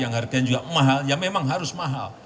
yang harganya juga mahal ya memang harus mahal